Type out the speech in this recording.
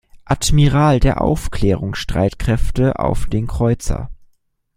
Admiral der Aufklärungsstreitkräfte auf den Kreuzer.